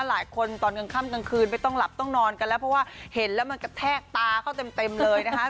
หลายคนตอนกลางค่ำกลางคืนไม่ต้องหลับต้องนอนกันแล้วเพราะว่าเห็นแล้วมันกระแทกตาเขาเต็มเลยนะคะ